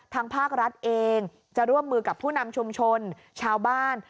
ทางภาครัฐเองจะร่วมมือกับผู้นำชุมชนชาวบ้าน